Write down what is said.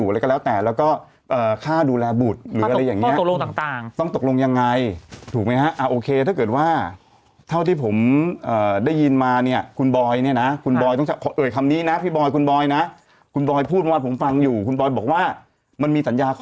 แล้วคุณตาน้องเข้ามาทุบด้วยนะ